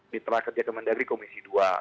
mitra kerja kemendagri komisi dua